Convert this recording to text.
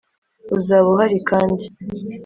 uzaba uhari kandi